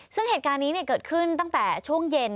ซึ่งเหตุการณ์นี้เกิดขึ้นตั้งแต่ช่วงเย็น